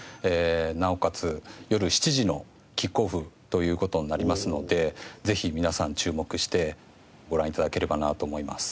なおかつよる７時のキックオフという事になりますのでぜひ皆さん注目してご覧頂ければなと思います。